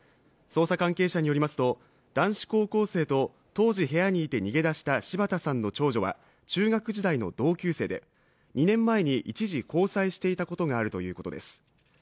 捜査関係者によりますと男子高校生と当時部屋にいて逃げ出した柴田さんの長女は中学時代の同級生で２年前に一時交際していたことがあるということです